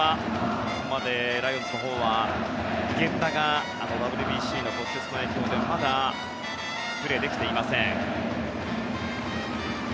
ここまでライオンズのほうは源田が、あのＷＢＣの骨折の影響でまだプレーできていません。